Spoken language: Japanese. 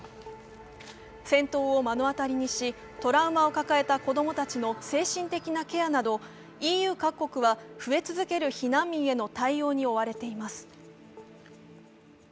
戦闘を目の当たりにし、トラウマを抱えた子供たちの精神的なケアなどＥＵ各国は増え続ける避難民への対応に追われています。